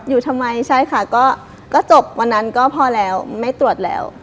อยู่ทำไมใช่ค่ะก็จบวันนั้นก็พอแล้วไม่ตรวจแล้ว